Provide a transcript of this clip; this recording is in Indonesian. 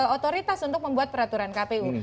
otoritas untuk membuat peraturan kpu